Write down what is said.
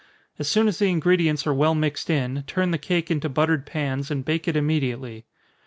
As soon as the ingredients are well mixed in, turn the cake into buttered pans, and bake it immediately.